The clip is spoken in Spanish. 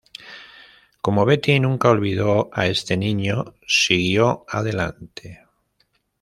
Como Beti nunca olvidó a este niño, siguió adelante.